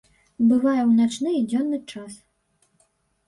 Бывае ў начны і дзённы час.